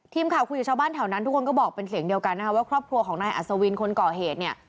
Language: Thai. ทีมข่าวคุยกับชาวบ้านแถวนั้นทุกคนก็บอกเป็นเสียงเดียวกันนะคะว่าครอบครัวของนายอัศวินคนก่อเหตุเนี่ย